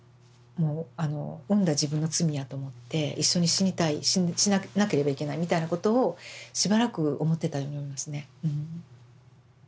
もう産んだ自分の罪やと思って一緒に死にたい死ななければいけないみたいなことをしばらく思ってたように思いますね。